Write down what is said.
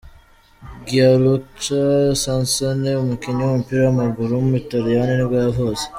Gianluca Sansone, umukinnyi w’umupira w’amaguru w’umutaliyani nibwo yavutse.